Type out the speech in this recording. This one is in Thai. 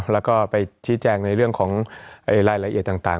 แล้วก็ไปชี้แจงในเรื่องของรายละเอียดต่าง